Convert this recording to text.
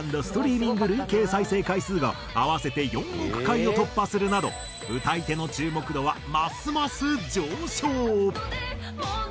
ストリーミング累計再生回数が合わせて４億回を突破するなど歌い手の注目度はますます上昇。